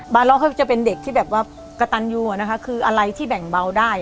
เราก็จะเป็นเด็กที่แบบว่ากระตันยูอะนะคะคืออะไรที่แบ่งเบาได้